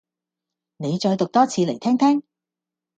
你再讀多次嚟聽聽